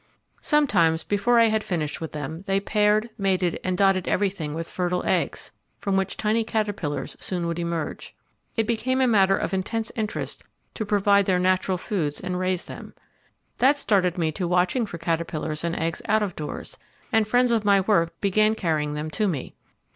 Sometimes, before I had finished with them, they paired, mated, and dotted everything with fertile eggs, from which tiny caterpillars soon would emerge. It became a matter of intense interest to provide their natural foods and raise them. That started me to watching for caterpillars and eggs out of doors, and friends of my work began carrying them to me.